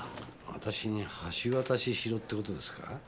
私に橋渡ししろって事ですか？